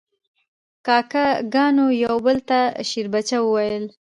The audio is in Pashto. کاکه ګانو یو بل ته شیربچه ویل.